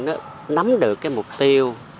nó nắm được cái mục tiêu